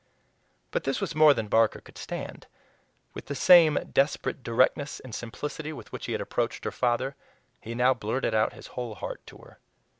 But this was more than Barker could stand. With the same desperate directness and simplicity with which he had approached her father, he now blurted out his whole heart to her.